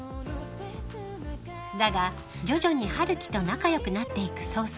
［だが徐々に春樹と仲良くなっていく宗佑］